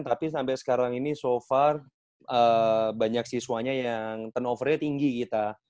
tapi sampai sekarang ini so far banyak siswanya yang turnovernya tinggi kita